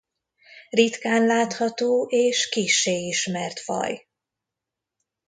Ritkán látható és kissé ismert faj.